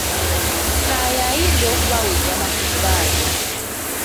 Kaaya ayinza okubawa ennyama ku bbanja.